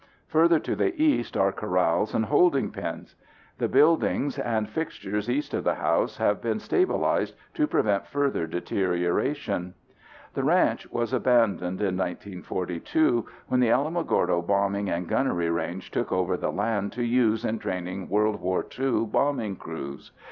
Further to the east are corrals and holding pens. The buildings and fixtures east of the house have been stabilized to prevent further deterioration. The ranch was abandoned in 1942 when the Alamogordo Bombing and Gunnery Range took over the land to use in training World War II bombing crews.